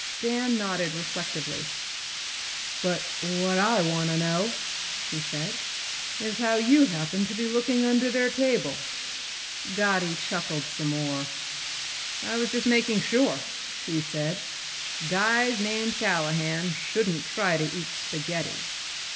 Dan nodded reflectively. "But what I want to know," he said, "is how you happened to be looking under their table." Gatti chuckled some more. "I was just making sure," he said. "Guys named Callahan shouldn't try to eat spaghetti.